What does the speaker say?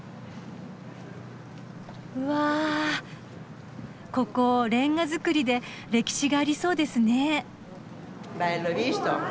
うわここレンガ造りで歴史がありそうですね。